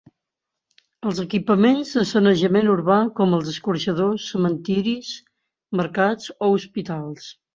Els equipaments de sanejament urbà com els escorxadors, cementeris, mercats o hospitals.